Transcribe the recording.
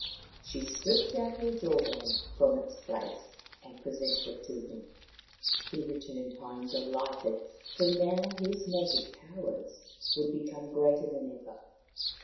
She slipped out her jaw bone from its place and presented it to him. He returned home delighted, for now his magic powers would become greater than ever.